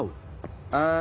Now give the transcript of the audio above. ああ。